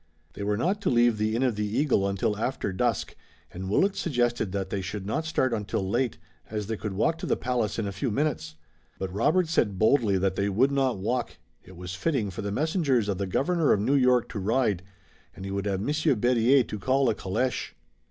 They were not to leave the Inn of the Eagle until after dusk, and Willet suggested that they should not start until late, as they could walk to the palace in a few minutes. But Robert said boldly that they would not walk. It was fitting for the messengers of the Governor of New York to ride and he would have Monsieur Berryer to call a caleche.